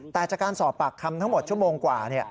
แต่จากการสอบปากคำทั้งหมดชั่วโมงกว่า